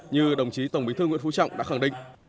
như đồng chí tổng bí thư nguyễn phú trọng đã khẳng định